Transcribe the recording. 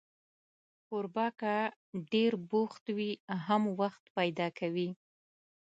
کوربه که ډېر بوخت وي، هم وخت پیدا کوي.